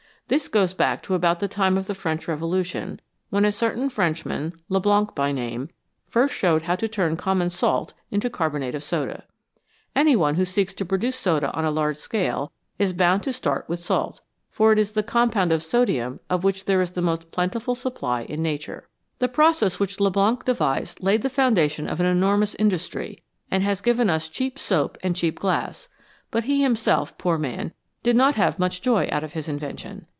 This goes back to about the time of the French Revolution, when a certain French man, Leblanc by name, first showed how to turn common salt into carbonate of soda. Any one who seeks to produce soda on a large scale is bound to start with salt, for it is the compound of sodium of which there is the most plentiful supply in Nature. The process 273 s THE VALUE OF THE BY PRODUCT which Leblanc devised laid the foundation of an enormous industry, and has given us cheap soap and cheap glass ; but he himself, poor man, did not have much joy out of his invention.